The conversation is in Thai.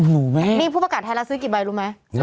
นี่ผู้ประกาศไทยล่ะซื้อกี่ใบรู้ไหม